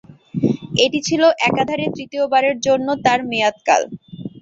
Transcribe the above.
এটি ছিল একাধারে তৃতীয়বারের জন্য তার মেয়াদকাল।